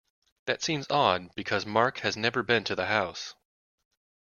That seems odd because Mark has never been to the house.